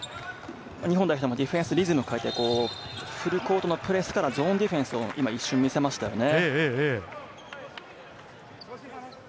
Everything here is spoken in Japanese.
日本代表のディフェンスリズムを変えて、フルコートのプレスからゾーンディフェンスを今一瞬見せましたね。